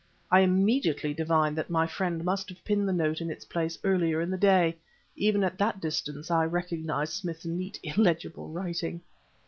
I immediately divined that my friend must have pinned the note in its place earlier in the day; even at that distance I recognized Smith's neat, illegible writing.